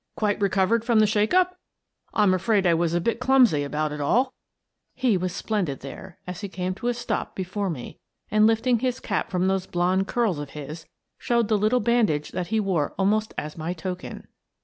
" Quite recovered from the shake up ? I'm afraid I was a bit clumsy about it all/' He was splendid there, as he came to a stop be fore me and, lifting his cap from those blond curls of his, showed the little bandage that he wore al most as my token.